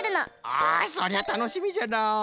あそりゃたのしみじゃのう。